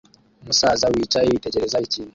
Umusaza wicaye yitegereza ikintu